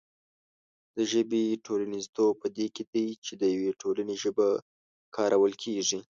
د ژبې ټولنیزتوب په دې کې دی چې د یوې ټولنې ژبه کارول کېږي.